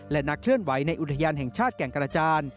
และนักเคลื่อนไหวในอุทยานแห่งชาติแก่งกระจาน